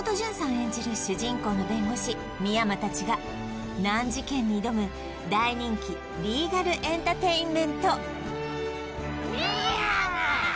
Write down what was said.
演じる主人公の弁護士深山達が難事件に挑む大人気リーガルエンターテインメント深山！